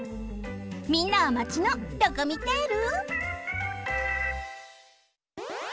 みんなはマチのドコミテール？